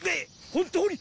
本当に！